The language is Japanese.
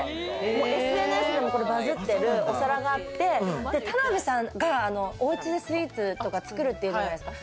ＳＮＳでもバズってるお皿があって田辺さんがおうちでスイーツとか作るっていうじゃないですか。